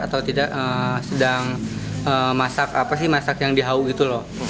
atau sedang masak apa sih masak yang dihau gitu loh